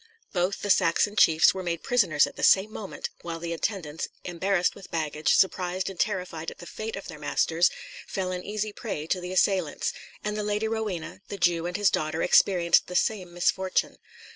Both the Saxon chiefs were made prisoners at the same moment, while the attendants, embarrassed with baggage, surprised and terrified at the fate of their masters, fell an easy prey to the assailants; and the Lady Rowena, the Jew and his daughter experienced the same misfortune.